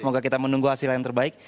semoga kita menunggu hasil yang terbaik